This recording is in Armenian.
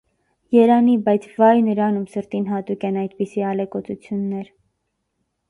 Երանի՜, բայց վա՜յ նրան, ում սրտին հատուկ են այդպիսի ալեկոծություններ…